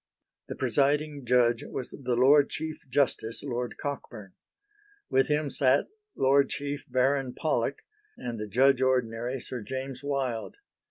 The presiding judge was the Lord Chief Justice, Lord Cockburn. With him sat Lord Chief Baron Pollock and the Judge Ordinary Sir James Wilde.